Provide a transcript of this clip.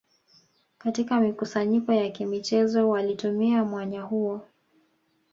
Katika mikusanyiko ya kimichezo walitumia mwanya huo